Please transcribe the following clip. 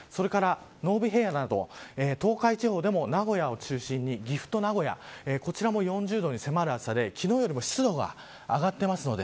濃尾平野など東海地方でも名古屋を中心に岐阜と名古屋４０度に迫る暑さで昨日より湿度が上がっています。